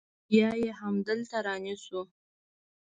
يا يې همدلته رانيسو.